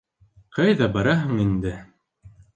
— Ҡайҙа бараһың инде?